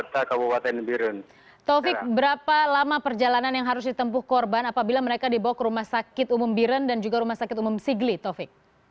taufik berapa lama perjalanan yang harus ditempuh korban apabila mereka dibawa ke rumah sakit umum biren dan juga rumah sakit umum sigli taufik